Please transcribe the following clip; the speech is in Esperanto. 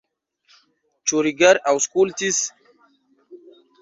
Ĉu Rigar aŭskultis?